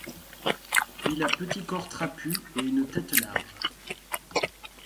Il a petit corps trapu et une tête large.